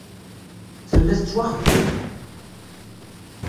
Tella tettwaxeyyeb.